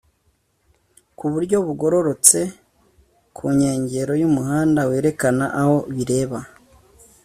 ku buryo bugororotse ku nkengero y'umuhanda werekana aho bireba